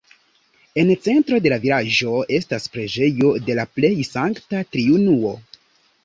En centro de la vilaĝo estas preĝejo de la Plej Sankta Triunuo.